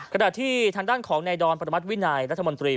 ขณะที่ทางด้านของนายดอนประมัติวินัยรัฐมนตรี